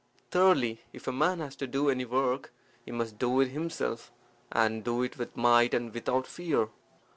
Thirdly, If a man has to do any work, he must do it himself, and do it with might and without fear.